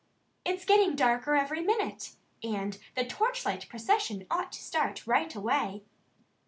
"It's getting darker every minute. And the torchlight procession ought to start right away."